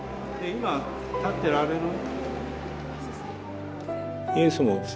今立ってられる？